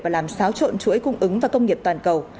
và làm xáo trộn chuỗi cung ứng và công nghiệp toàn cầu